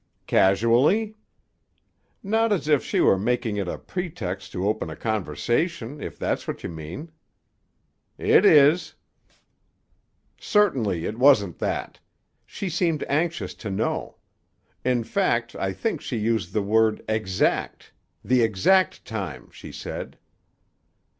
"Casually?" "Not as if she were making it a pretext to open a conversation, if that is what you mean." "It is." "Certainly it wasn't that. She seemed anxious to know. In fact, I think she used the word 'exact'; 'the exact time,' she said."